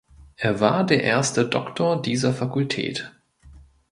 Er war der erste Doktor dieser Fakultät.